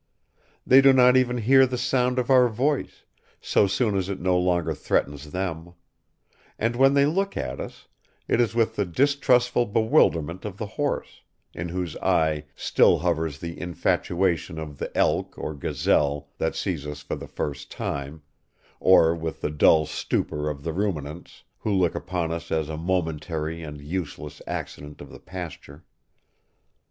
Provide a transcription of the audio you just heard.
They do not even hear the sound of our voice, so soon as it no longer threatens them; and, when they look at us, it is with the distrustful bewilderment of the horse, in whose eye still hovers the infatuation of the elk or gazelle that sees us for the first time, or with the dull stupor of the ruminants, who look upon us as a momentary and useless accident of the pasture.